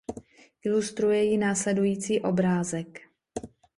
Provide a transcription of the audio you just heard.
Ilustruje ji následující obrázek.